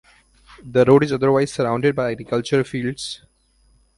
The road is otherwise surrounded by agricultural fields.